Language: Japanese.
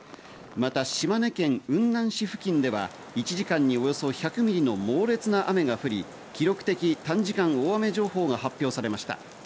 また島根県雲南市付近では１時間におよそ１００ミリの猛烈な雨が降り、記録的短時間大雨情報が発表されました。